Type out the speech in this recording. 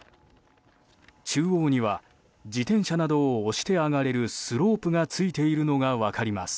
中央には自転車などを押して上がれるスロープがついているのが分かります。